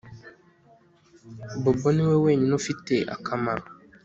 Bobo niwe wenyine ufite akamaro